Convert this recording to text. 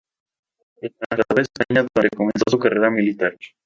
Se trasladó a España, donde comenzó su carrera militar.